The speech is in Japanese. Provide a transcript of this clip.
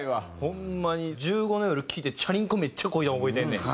ホンマに『１５の夜』聴いてチャリンコめっちゃ漕いだの覚えてんねん。